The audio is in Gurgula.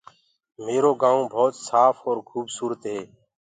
ميرو گائونٚ ڀوت سآڦ اور خوبسورت هي۔